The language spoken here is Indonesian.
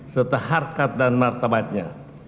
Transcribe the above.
serta harkat dan martabatnya